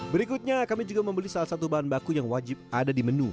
berikutnya kami juga membeli salah satu bahan baku yang wajib ada di menu